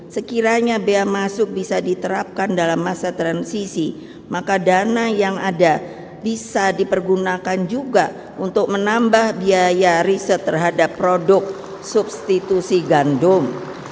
sekiranya bea masuk bisa diterapkan dalam masa transisi maka dana yang ada bisa dipergunakan juga untuk menambah biaya riset terhadap produk substitusi gandum